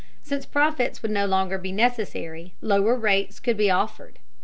Since profits would no longer be necessary, lower rates could be offered.